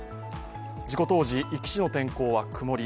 事故当時、壱岐市の天候は曇り。